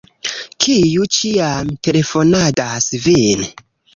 Kiu ĉiam telefonadas vin?